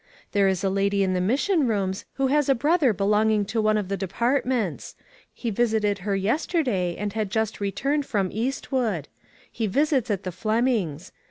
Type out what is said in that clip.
There is a lady in the Mission Rooms who has a brother belonging to one of the departments. He visited her yester day, and had just returned from Eastwood. He visits at the Flemings'.